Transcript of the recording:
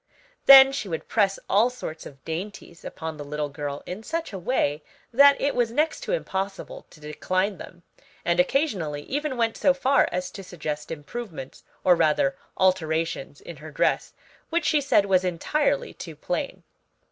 Then she would press all sorts of dainties upon the little girl in such a way that it was next to impossible to decline them, and occasionally even went so far as to suggest improvements, or rather alterations, in her dress, which she said was entirely too plain.